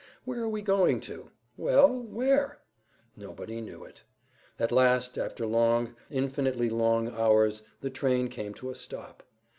Where are we going to? Well, where? Nobody knew it. At last, after long, infinitely long hours the train came to a stop.